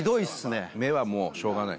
目はもうしょうがない